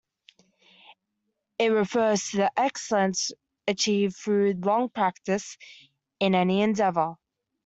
It refers to excellence achieved through long practice in any endeavor.